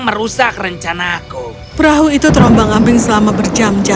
ajukan pak someone yang menggenggu cobalan diri anyhi